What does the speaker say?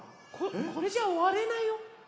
これじゃおわれないよ。